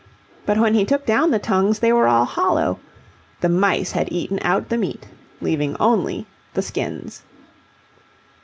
But when he took down the tongues they were all hollow. The mice had eaten out the meat, leaving only the skins.